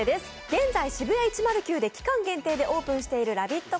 現在ＳＨＩＢＵＹＡ１０９で期間限定でオープンしているラヴィット！